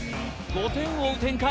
５点を追う展開